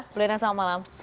bulena selamat malam